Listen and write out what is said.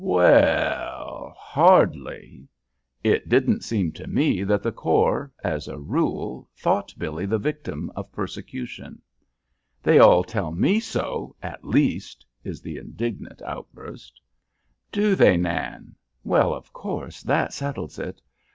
"W e ll, har d ly. It didn't seem to me that the corps, as a rule, thought Billy the victim of persecution." "They all tell me so, at least," is the indignant outburst. "Do they, Nan? Well, of course, that settles it.